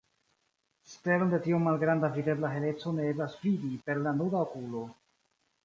Stelon de tiom malgranda videbla heleco ne eblas vidi per la nuda okulo.